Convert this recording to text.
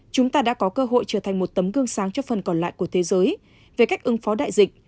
chúng ta đã có cơ hội trở thành một tấm gương sáng cho phần còn lại của thế giới về cách ứng phó đại dịch